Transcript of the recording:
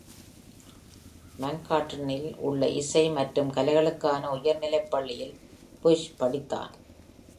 Manhattan இல் உள்ள இசை மற்றும் கலைகளுக்கான உயர்நிலைப் பள்ளியில் Busch படித்தான்.